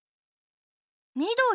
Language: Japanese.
みどり？